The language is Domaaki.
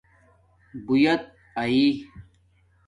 بݸت آئے